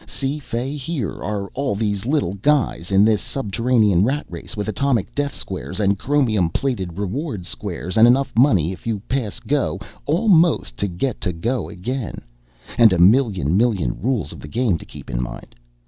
See, Fay, here are all these little guys in this subterranean rat race with atomic death squares and chromium plated reward squares and enough money if you pass Go almost to get to Go again and a million million rules of the game to keep in mind.